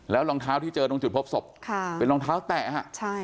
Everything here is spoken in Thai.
แล้วรองเท้าที่เจอตรงจุดพบศพเป็นรองเท้าแตะ